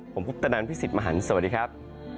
ผมพุทธนันพี่สิทธิ์มหันฯสวัสดีครับ